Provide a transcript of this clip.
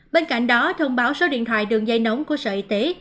bên cạnh đó thông báo số điện thoại đường dây nóng của sở y tế